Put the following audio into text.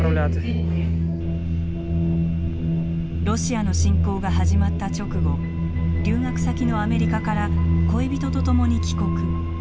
ロシアの侵攻が始まった直後留学先のアメリカから恋人とともに帰国。